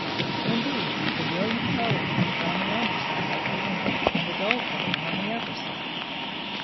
In these the brilliant coloring is on the under side of the wing, and the dull color on the upper side.